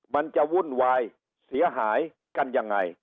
มันจะวุ่นวายเสียหายกันยังไง